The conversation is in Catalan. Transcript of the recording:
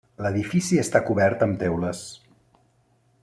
L'edifici està cobert amb teules.